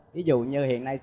ví dụ như hiện nay